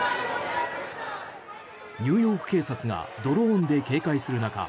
ニューヨーク警察がドローンで警戒する中